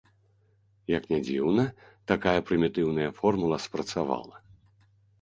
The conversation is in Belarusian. Як не дзіўна, такая прымітыўная формула спрацавала.